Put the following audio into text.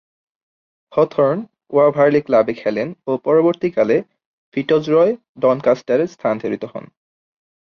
Hawthorn-Waverley ক্লাবে খেলেন ও পরবর্তীকালে ফিটজরয়-ডনকাস্টারে স্থানান্তরিত হন।